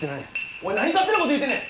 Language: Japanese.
おい何勝手なこと言うてんねん。